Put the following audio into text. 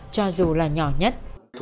cho dù là nhỏ nhất